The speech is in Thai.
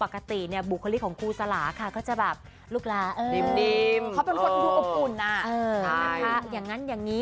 เขาหลงมากนะ